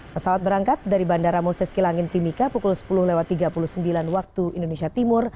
pesawat berangkat dari bandara moses kilangin timika pukul sepuluh tiga puluh sembilan wib